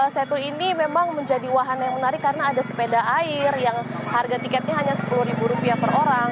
setu ini memang menjadi wahana yang menarik karena ada sepeda air yang harga tiketnya hanya sepuluh rupiah per orang